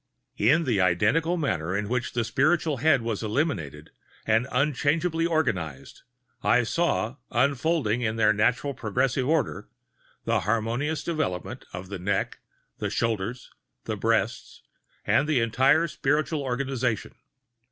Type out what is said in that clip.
In the identical manner in which the spiritual head was eliminated and unchangeably organized, I saw, unfolding in their natural progressive order, the harmonious development of the neck, the shoulders, the breast and the entire spiritual organization.